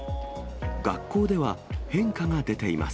学校では変化が出ています。